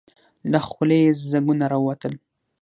له خولې يې ځګونه راووتل.